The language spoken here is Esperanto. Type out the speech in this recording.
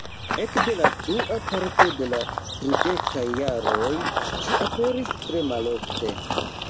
Ekde la dua parto de la tridekaj jaroj ŝi aperis tre malofte.